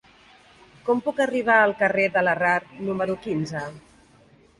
Com puc arribar al carrer de Larrard número quinze?